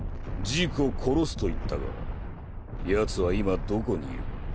ジークを殺すと言ったが奴は今どこにいる？